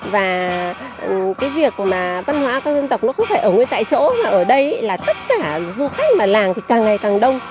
và cái việc mà văn hóa các dân tộc nó không phải ở tại chỗ mà ở đây là tất cả du khách mà làng thì càng ngày càng đông